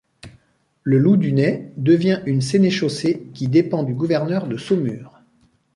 Le Loudunais devient une sénéchaussée, qui dépend du gouverneur de Saumur.